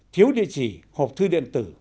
thiếu địa chỉ hộp thư điện tử